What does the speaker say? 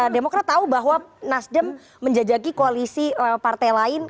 demokrat tahu bahwa nasdem menjajaki koalisi partai lain